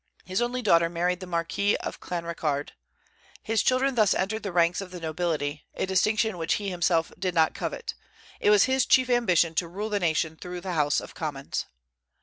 His only daughter married the Marquis of Clanricarde. His children thus entered the ranks of the nobility, a distinction which he himself did not covet. It was his chief ambition to rule the nation through the House of Commons.